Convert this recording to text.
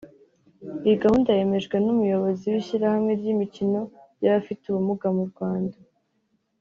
Iyi gahunda yemejwe n’Umuyobozi w’ishyirahamwe ry’imikino y’abafite ubumuga mu Rwanda